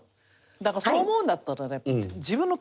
だからそう思うんだったらね。